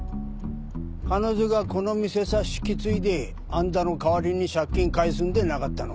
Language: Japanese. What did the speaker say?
彼女がこの店さ引き継いであんたの代わりに借金返すんでなかったのかい？